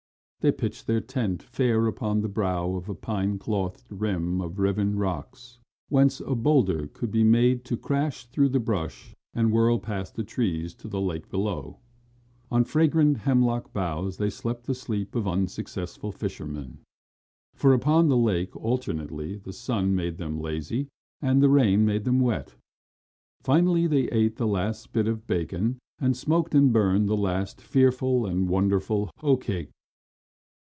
They pitched their tent fair upon the brow of a pine clothed ridge of riven rocks whence a bowlder could be made to crash through the brush and whirl past the trees to the lake below. On fragrant hemlock boughs they slept the sleep of unsuccessful fishermen, for upon the lake alternately the sun made them lazy and the rain made them wet. Finally they ate the last bit of bacon and smoked and burned the last fearful and wonderful hoecake.